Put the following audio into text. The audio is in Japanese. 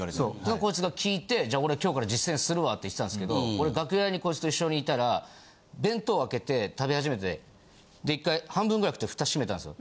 こいつが聞いて「じゃあ俺今日から実践するわ」って言ってたんすけど俺楽屋にこいつと一緒にいたら弁当開けて食べ始めて１回半分ぐらい食ってフタ閉めたんすよ。